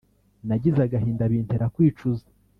nagize agahinda bintera kwicuza